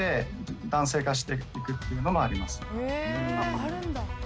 あるんだ